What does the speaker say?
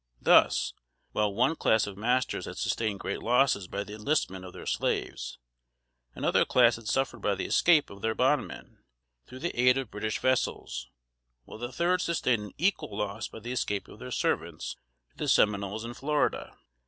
Thus, while one class of masters had sustained great losses by the enlistment of their slaves, another class had suffered by the escape of their bondmen, through the aid of British vessels; while a third sustained an equal loss by the escape of their servants to the Seminoles in Florida.